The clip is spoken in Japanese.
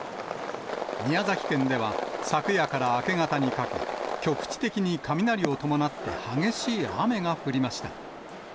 宮崎県では昨夜から明け方にかけ、局地的に雷を伴って激しい雨が降りました。